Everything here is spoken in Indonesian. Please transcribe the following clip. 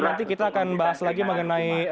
nanti kita akan bahas lagi mengenai